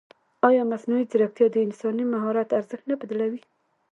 ایا مصنوعي ځیرکتیا د انساني مهارت ارزښت نه بدلوي؟